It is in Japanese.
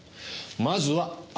まずは足。